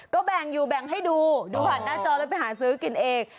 ก็แบ่งอยู่แบ่งให้ดูดูผ่านหน้าจอแล้วไปหาซื้อกินเอง